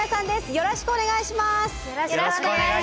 よろしくお願いします。